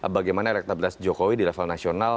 bagaimana elektabilitas jokowi di level nasional